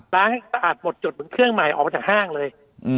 ล้างให้สะอาดหมดจดเหมือนเครื่องใหม่ออกมาจากห้างเลย